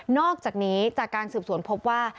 อกจากนี้จากการสืบสวนพบว่า